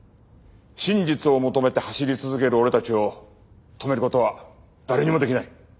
真実を求めて走り続ける俺たちを止める事は誰にもできない。